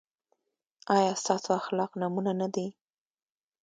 ایا ستاسو اخلاق نمونه نه دي؟